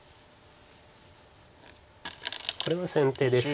これは先手です。